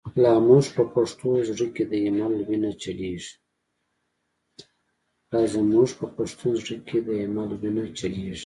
لا زمونږ په پښتون زړه کی، « د ایمل» وینه چلیږی